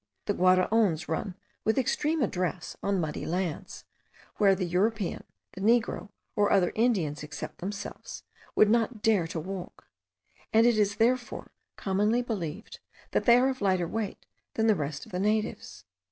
The Guaraons run with extreme address on muddy lands, where the European, the Negro, or other Indians except themselves, would not dare to walk; and it is, therefore, commonly believed, that they are of lighter weight than the rest of the natives.